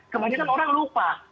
kebanyakan orang lupa